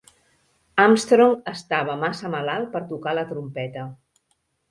Amstrong estava massa malalt per tocar la trompeta.